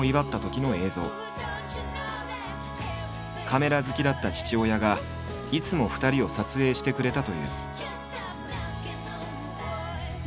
カメラ好きだった父親がいつも２人を撮影してくれたという。